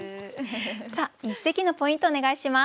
さあ一席のポイントお願いします。